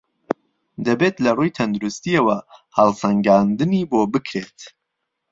دهبێت لهڕووی تهندروستییهوه ههڵسهنگاندنی بۆ بکرێت